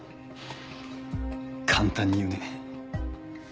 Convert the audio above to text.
簡単に言うね。